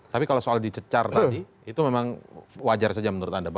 tapi kalau soal dicecar tadi itu memang wajar saja menurut anda